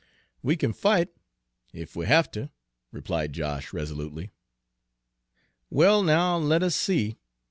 "We kin fight, ef we haf ter," replied Josh resolutely. "Well, now, let us see.